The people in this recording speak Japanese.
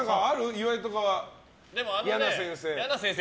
岩井とか、嫌な先生。